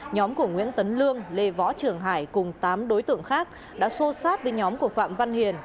nhóm của nguyễn tấn lương lê võ trường hải cùng tám đối tượng khác đã xô sát với nhóm của phạm văn hiền